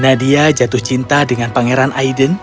nadia jatuh cinta dengan pangeran aiden